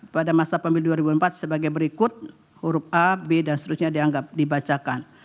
pada masa pemilu dua ribu empat sebagai berikut huruf a b dan seterusnya dianggap dibacakan